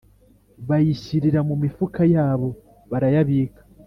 bayishyirira mu mifuka yabo barayabika